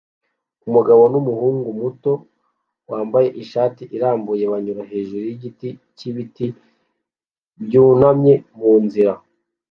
Umugabo numuhungu muto wambaye ishati irambuye banyura hejuru yigiti cyibiti byunamye munzira mumashyamba